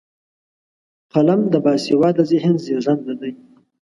قلم د باسواده ذهن زیږنده ده